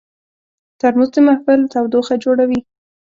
ترموز د محفل تودوخه جوړوي.